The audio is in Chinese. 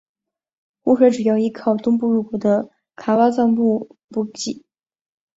湖水主要依靠东部入湖的卡挖臧布补给。